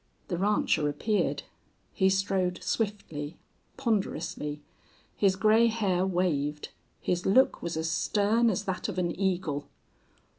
The rancher appeared. He strode swiftly, ponderously. His gray hair waved. His look was as stern as that of an eagle.